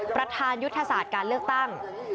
ประธานยุทธศาสตร์การเลือกตั้ง